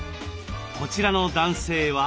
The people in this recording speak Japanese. こちらの男性は？